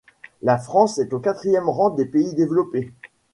La France est au quatrième rang des pays développés.